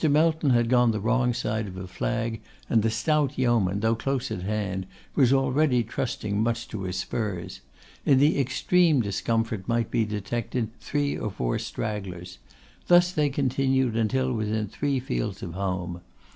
Melton had gone the wrong side of a flag, and the stout yeoman, though close at hand, was already trusting much to his spurs. In the extreme distance might be detected three or four stragglers. Thus they continued until within three fields of home.